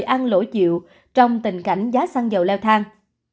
ăn lỗ chịu trong tình cảnh giá xăng dầu leo thang